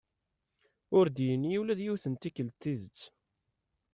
Ur d-yenni ula d yiwet n tikkelt tidet.